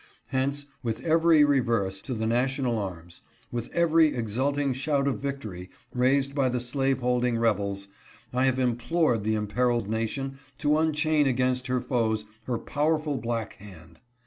Hence, with every reverse to the national arms, with every exulting shout of victory raised by the slaveholding rebels, I have implored the imperiled nation to unchain against her foes her powerful black hand.